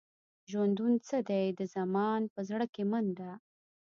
ژوندون څه دی؟ د زمان په زړه کې منډه.